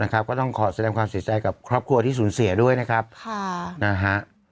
ก็ต้องขอแสดงความเสียใจกับครอบครัวที่สูญเสียด้วยนะครับค่ะนะฮะ